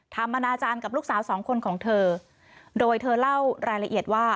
อนาจารย์กับลูกสาวสองคนของเธอโดยเธอเล่ารายละเอียดว่า